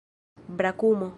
brakumo